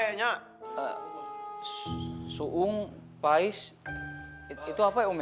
eh suung pais itu apa ya om ya